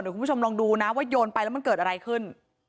คุณผู้ชมลองดูนะว่าโยนไปแล้วมันเกิดอะไรขึ้น